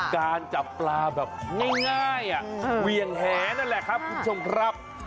การจับปลาแบบง่ายเหวี่ยงแหนั่นแหละครับคุณผู้ชมครับ